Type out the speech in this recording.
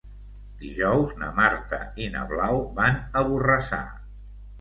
Dijous na Marta i na Blau van a Borrassà.